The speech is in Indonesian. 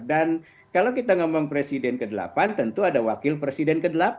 dan kalau kita ngomong presiden ke delapan tentu ada wakil presiden ke delapan